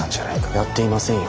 やっていませんよ。